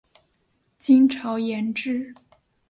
金朝沿置。